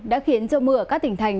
đã khiến cho mưa các tỉnh thành